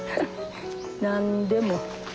何でも。